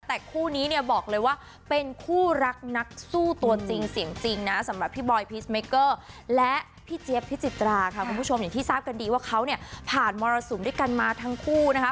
แต่คู่นี้เนี่ยบอกเลยว่าเป็นคู่รักนักสู้ตัวจริงเสียงจริงนะสำหรับพี่บอยพีชเมเกอร์และพี่เจี๊ยบพิจิตราค่ะคุณผู้ชมอย่างที่ทราบกันดีว่าเขาเนี่ยผ่านมรสุมด้วยกันมาทั้งคู่นะคะ